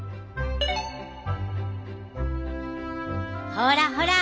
ほらほら